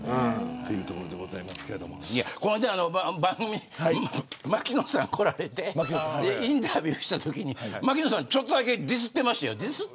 この前、番組に槙野さんが来られてインタビューをしたときに槙野さんちょっとだけディスってました。